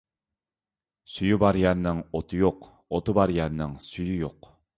سۈيى بار يەرنىڭ ئوتى يوق، ئوتى بار يەرنىڭ سۈيى يوق.